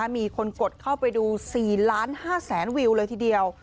มีคนกดเข้าไปดู๔ล้าน๕แสนวิวเลยทีเดียว